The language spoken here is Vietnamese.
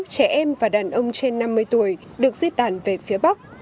trẻ em và đàn ông trên năm mươi tuổi được di tản về phía bắc